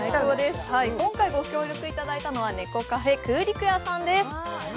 今回ご協力いただいたのは猫カフェ空陸家さんです。